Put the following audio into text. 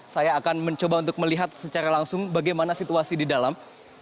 saya akan mencoba untuk melihat secara langsung bagaimana situasi di dalam